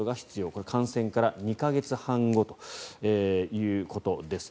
これ、感染から２か月半後ということです。